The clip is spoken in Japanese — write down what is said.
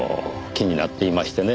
気になっていましてね